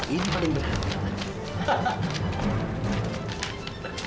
ini paling benar